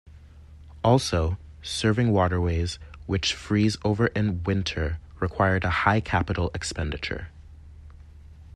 Also, serving waterways which freeze over in winter required a high capital expenditure.